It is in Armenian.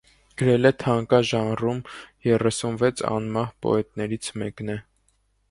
Գրել է թանկա ժանրում, երեսունվեց անմահ պոետներից մեկն է։